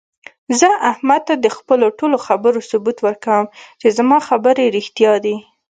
زه احمد ته د خپلو ټولو خبرو ثبوت ورکوم، چې زما خبرې رښتیا دي.